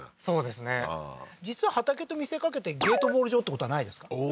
そうですね実は畑と見せかけてゲートボール場ってことはないですか？